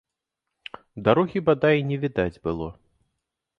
Дарогі бадай не відаць было.